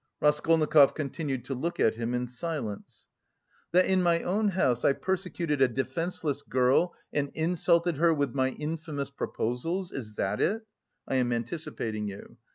Raskolnikov continued to look at him in silence. "That in my own house I persecuted a defenceless girl and 'insulted her with my infamous proposals' is that it? (I am anticipating you.)